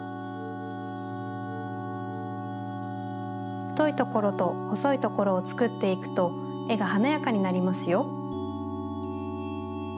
ふといところとほそいところをつくっていくとえがはなやかになりますよ。